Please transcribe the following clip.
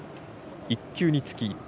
１球につき１点。